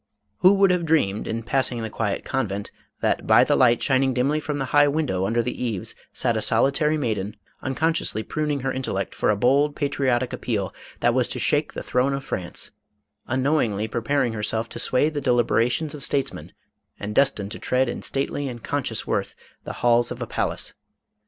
Who would have dreamed in passing the quiet convent that by the light shining dimly from the high window under the eaves, sat a solitary maiden unconsciously pruning her intellect for a bold, patriotic appeal that was to shake the throne of France ; un knowingly preparing herself to sway the deliberations of statesmen, and destined to tread in stately and con scious worth the halls of a palace